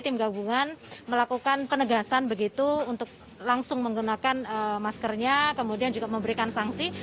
tim gabungan melakukan penegasan begitu untuk langsung menggunakan maskernya kemudian juga memberikan sanksi